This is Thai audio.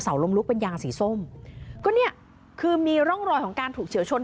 ลงลุกเป็นยางสีส้มก็เนี่ยคือมีร่องรอยของการถูกเฉียวชน